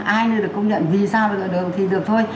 ai nữa được công nhận vì sao được thì được thôi